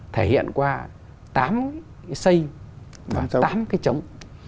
thể hiện qua tám cái xây và tám cái chống